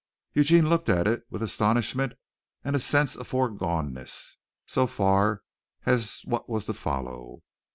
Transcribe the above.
Eugene looked at it with astonishment and a sense of foregoneness so far as what was to follow.